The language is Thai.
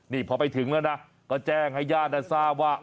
นี่พอไปถึงแล้วนะก็แจ้งให้ญาติทราบว่า